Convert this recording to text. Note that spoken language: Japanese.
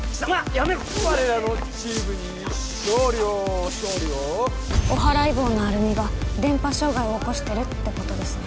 やめろ我らのチームに勝利を勝利をおはらい棒のアルミが電波障害を起こしてるってことですね